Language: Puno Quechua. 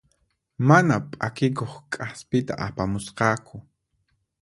Mana p'akikuq k'aspita apamusqaku.